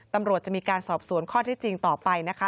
ตำรวจจะมีการสอบสวนข้อที่จริงต่อไปนะคะ